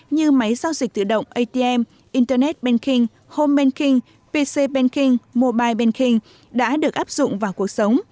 như máy giao dịch tự động atm internet banking homeking pc banking mobile banking đã được áp dụng vào cuộc sống